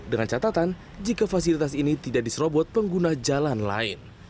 dengan catatan jika fasilitas ini tidak diserobot pengguna jalan lain